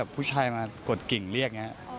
ผู้ชายมากดกิ่งเรียกนี่อย่างไร